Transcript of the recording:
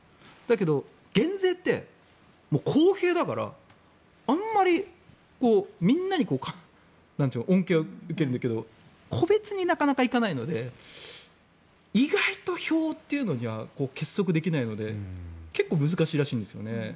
だけど、減税って公平だからあんまりみんなに恩恵を受けるのはいいけど個別になかなか行かないので意外と票というのには結束できないので結構難しいらしいんですよね。